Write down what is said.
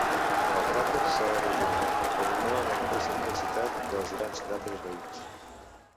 El cràter s'ha erosionat, però no amb la mateixa intensitat que els grans cràters veïns.